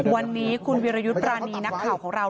วันนี้คุณวิรยุทธ์ปรานีนักข่าวของเรา